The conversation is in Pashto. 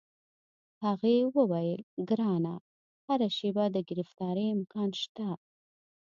هغې وویل: ګرانه، هره شیبه د ګرفتارۍ امکان شته.